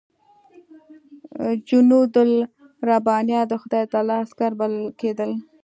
جنودالربانیه د خدای تعالی عسکر بلل کېدل.